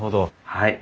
はい。